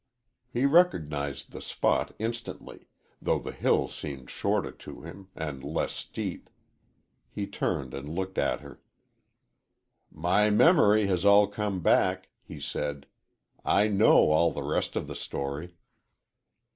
He recognized the spot instantly, though the hill seemed shorter to him, and less steep. He turned and looked at her. "My memory has all come back," he said; "I know all the rest of the story."